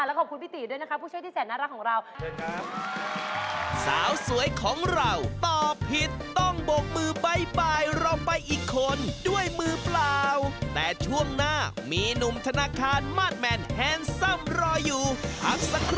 และขอบคุณพี่ตี๋ด้วยนะคะผู้ช่วยที่แสดงนักรักของเรา